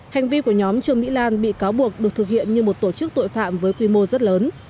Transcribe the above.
hành vi của nhóm trương mỹ lan bị cáo buộc được thực hiện như một tổ chức tội phạm với quy mô rất lớn